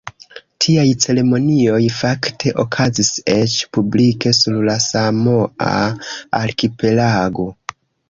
Tiaj ceremonioj fakte okazis eĉ publike sur la Samoa-arkipelago.